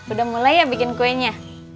udah mulai ya bikin kuenya